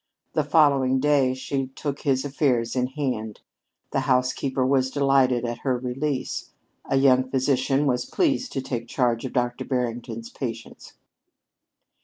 The following day she took his affairs in hand. The housekeeper was delighted at her release; a young physician was pleased to take charge of Dr. Barrington's patients.